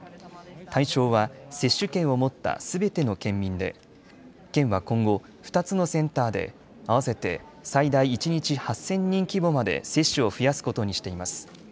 対象は接種券を持ったすべての県民で県は今後２つのセンターで合わせて最大一日８０００人規模まで接種を増やすことにしています。